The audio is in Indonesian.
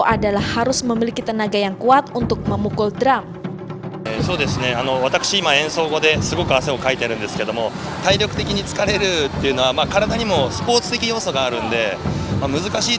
adalah harus memiliki tenaga yang kuat untuk memukul drum